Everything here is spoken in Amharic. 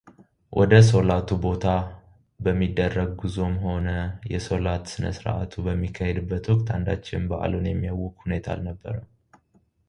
ወደ ሶላቱ ቦታ በሚደረግ ጉዞም ሆነ የሶላት ስነስርአቱ በሚካሄድበት ወቅት አንዳችም በዓሉን የሚያውክ ሁኔታ አልነበረም